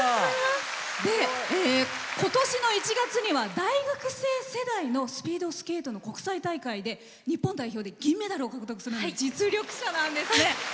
今年の１月には大学生世代のスピードスケートの国際大会で日本代表で銀メダルを獲得するなど実力者なんですね。